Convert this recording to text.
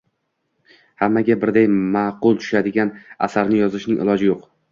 Hammaga birday maʼqul tushadigan asarni yozishning iloji yoʻq